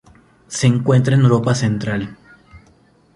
Se encuentra en Europa central.